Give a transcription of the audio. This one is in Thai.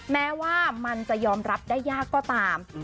แม้ว่ามันจะยอมรับได้ยากก็ตาม